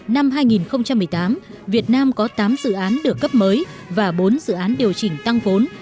năm hai nghìn một mươi tám việt nam có tám dự án được cấp mới và bốn dự án điều chỉnh tăng vốn